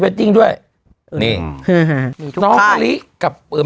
มีรูปตรงด้วยดาวเซียนนอนนี้พอมรั้วคลิกกับไม่โบ